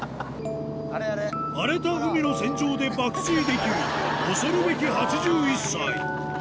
荒れた海の船上で爆睡できる恐るべき８１歳。